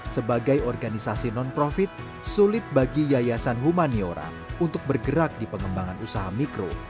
sebagai organisasi non profit sulit bagi yayasan humaniorang untuk bergerak di pengembangan usaha mikro